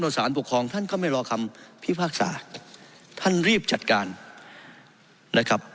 สารปกครองท่านก็ไม่รอคำพิพากษาท่านรีบจัดการนะครับ